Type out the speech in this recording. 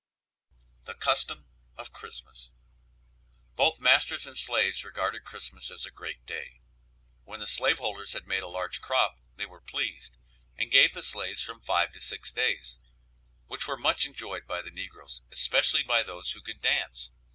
THE CUSTOM OF CHRISTMAS. Both masters and slaves regarded Christmas as a great day. When the slaveholders had made a large crop they were pleased, and gave the slaves from five to six days, which were much enjoyed by the negroes, especially by those who could dance.